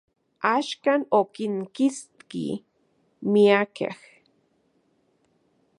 Axkan, okinkitski miakej.